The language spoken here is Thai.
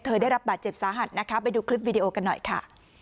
ได้รับบาดเจ็บสาหัสนะคะไปดูคลิปวิดีโอกันหน่อยค่ะ